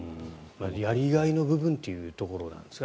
やりがいの部分というところなんですね。